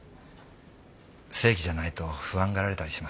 正規じゃないと不安がられたりしますから。